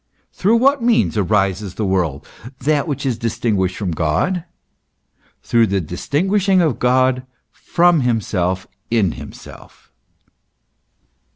Through what means arises the world, that which is distinguished from God ? through the distinguishing of God from himself in himself.